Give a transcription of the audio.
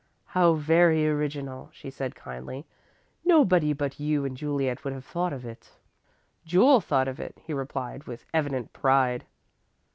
"How very original," she said, kindly. "Nobody but you and Juliet would have thought of it." "Jule thought of it," he replied, with evident pride.